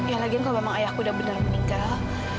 ya lagian kalau memang ayahku udah bener meninggal